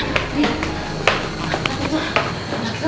mirna apa itu